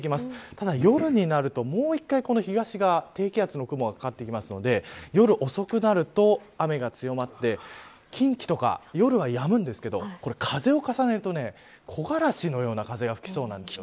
ただ夜になるともう一回東側低気圧の雲がかかってくるので夜遅くなると雨が強まって近畿とか夜はやむんですけど風を重ねると木枯らしのような風が吹きそうなんです。